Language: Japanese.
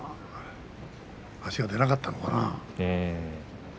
足が出なかったのかな。